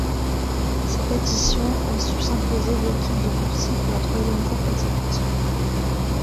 Cette édition a vu s'imposer l'équipe de Russie pour la troisième fois consécutive.